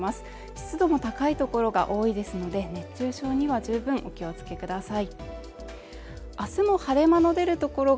湿度も高いところが多いですので熱中症には十分お気をつけください。